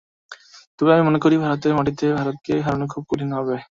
তবে আমি মনে করি ভারতের মাটিতে ভারতকে হারানো খুব কঠিন হবে।